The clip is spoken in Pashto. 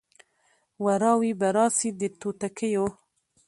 وراوي به راسي د توتکیو